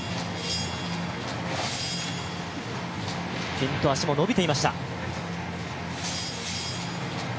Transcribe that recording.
ピンと脚も伸びていました。